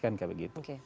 kan kayak begitu